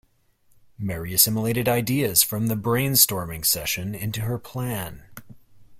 Mary assimilated ideas from the brainstorming session into her plan.